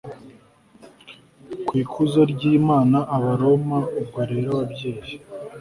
ku ikuzo ry Imana Abaroma Ubwo rero ababyeyi